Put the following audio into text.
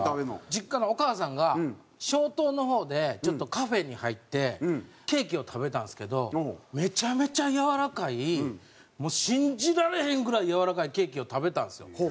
実家のお母さんが松濤の方でちょっとカフェに入ってケーキを食べたんですけどめちゃめちゃやわらかいもう信じられへんぐらいやわらかいケーキを食べたんですよ。